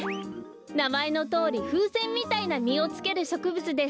なまえのとおりふうせんみたいなみをつけるしょくぶつです。